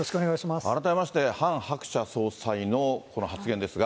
改めまして、ハン・ハクチャ総裁のこの発言ですが。